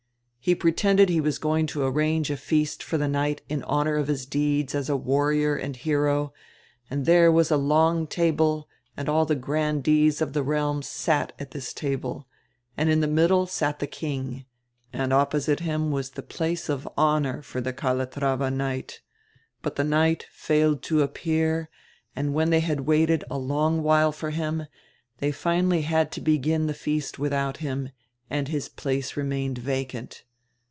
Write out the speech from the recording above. He pre tended he was going to arrange a feast for die knight in honor of his deeds as a warrior and hero, and diere was a long table and all die grandees of die realm sat at this table, and in die middle sat die king, and opposite him was the place of honor for die Calatrava knight. But die knight failed to appear, and when diey had waited a long while for him, diey finally had to begin die feast widiout him, and his place remained vacant.